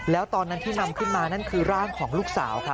แล้วตอนนั้นที่นำขึ้นมานั่นคือร่างของลูกสาวครับ